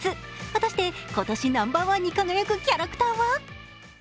果たして今年ナンバーワンに輝くキャラクターは？